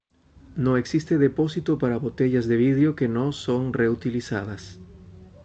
No existe depósito para botellas de vidrio que no son reutilizadas.